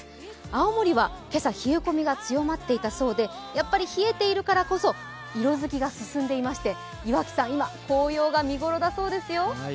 青森は今朝、冷え込みが強まっていたそうで、冷えているからこそ、色づきが進んでいまして、岩木山、今、紅葉が見頃だそうですよ。